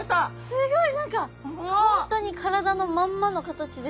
すごい！何か本当に体のまんまの形で脱皮してますね！